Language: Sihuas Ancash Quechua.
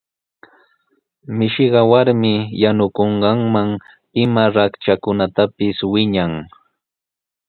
Mishiqa warmi yanukunqanman ima raktrakunatapis winan.